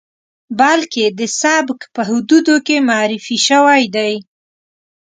بلکې د سبک په حدودو کې معرفي شوی دی.